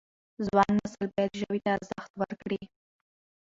ځوان نسل باید ژبې ته ارزښت ورکړي.